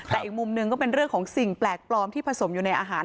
แต่อีกมุมหนึ่งก็เป็นเรื่องของสิ่งแปลกปลอมที่ผสมอยู่ในอาหาร